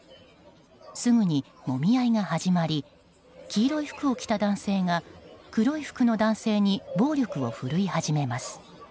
すぐにもみ合いが始まり黄色い服を着た男性が黒い服の男性に暴力を振るい始めます。